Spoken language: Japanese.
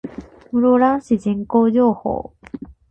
室蘭市人口情報